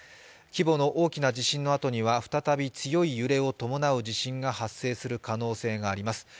規模の大きな地震のあとには、再び強い揺れを伴う地震が発生する可能性があります。